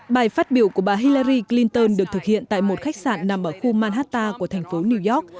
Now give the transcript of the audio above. bài phát biểu của bà hillery clinton được thực hiện tại một khách sạn nằm ở khu manhatta của thành phố new york